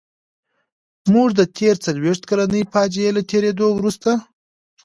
موږ د تېرې څلويښت کلنې فاجعې له تېرېدو وروسته.